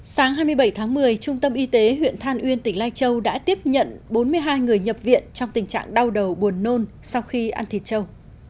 sáng hai mươi bảy tháng một mươi trung tâm y tế huyện than uyên tỉnh lai châu đã tiếp nhận bốn mươi hai người nhập viện trong tình trạng đau đầu buồn nôn sau khi ăn thịt châu